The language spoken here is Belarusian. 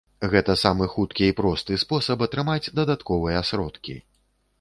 Гэта самы хуткі і просты спосаб атрымаць дадатковыя сродкі.